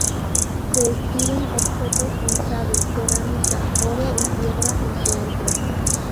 Se exhiben objetos en jade, cerámica, oro y piedra entre otros.